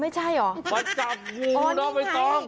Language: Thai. ก้าวจับงูน้ำไม่ต้อง